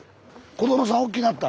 子どもさん大きなった？